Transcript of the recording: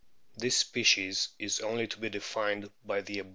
This species is only to be defined by the above * Proc.